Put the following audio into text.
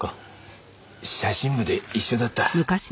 写真部で一緒だった。